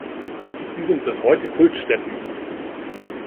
Sie sind bis heute Kultstätten.